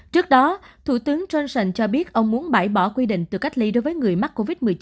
trước đó thủ tướng johnson cho biết ông muốn bãi bỏ quy định từ cách ly đối với người mắc covid một mươi chín